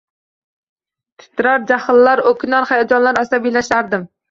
Titrar, jahllanar, o`kinar, hayajonlanar, asabiylashardim